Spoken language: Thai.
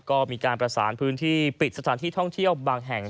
ก็มีการประสานพื้นที่ปิดสถานที่ท่องเที่ยวบางแห่ง